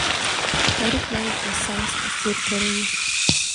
تاريخ بايد د ساينس په څېر کره وي.